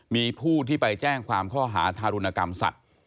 มีผู้ที่ไปแจ้งความข้อหาทารุณกรรมสัตว์